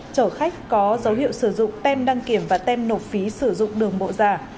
chở khách có dấu hiệu sử dụng tem đăng kiểm và tem nộp phí sử dụng đường bộ giả